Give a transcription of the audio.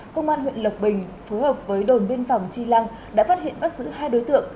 công an huyện lộc bình phối hợp với đồn biên phòng chi lăng đã phát hiện bắt giữ hai đối tượng